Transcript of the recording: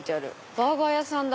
バーガー屋さんだ。